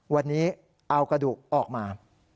วันนี้เอากระดูกออกมา